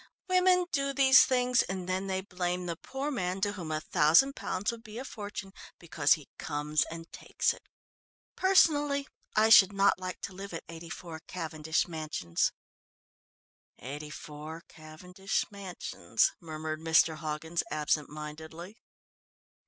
"Women do these things, and then they blame the poor man to whom a thousand pounds would be a fortune because he comes and takes it. Personally, I should not like to live at 84, Cavendish Mansions." "84, Cavendish Mansions," murmured Mr. Hoggins absent mindedly.